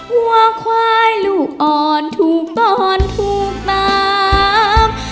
หัวควายลูกอ่อนถูกตอนถูกตาม